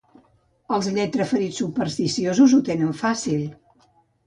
Els lletraferits supersticiosos ho tenen fàcil.